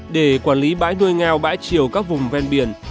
để quản lý bãi nuôi ngao bãi chiều các vùng ven biển